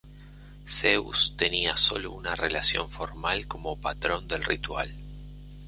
Zeus tenía sólo una relación formal como patrón del ritual.